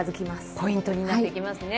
ポイントになってきますね